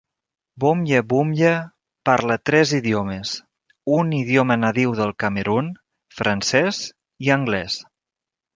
Boumtje-Boumtje parla tres idiomes: un idioma nadiu del Camerun, francès i anglès.